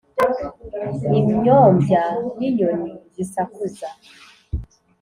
inyombya ninyoni zisakuza